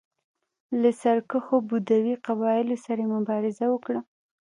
له سرکښو بدوي قبایلو سره یې مبارزه وکړه